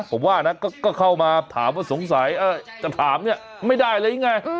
ผมว่านะก็ก็เข้ามาถามว่าสงสัยเอ้อจะถามเนี่ยไม่ได้เลยไง